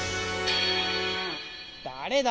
だれだ？